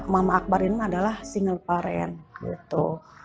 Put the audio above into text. mama akbar ini adalah single parent gitu